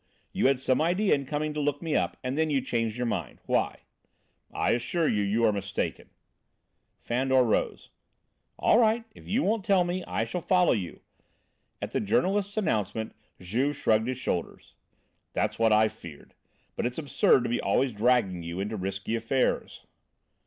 You had some idea in coming to look me up and then you changed your mind. Why?" "I assure you you are mistaken." Fandor rose. "All right, if you won't tell me, I shall follow you." At the journalist's announcement Juve shrugged his shoulders. "That's what I feared. But it's absurd to be always dragging you into risky affairs."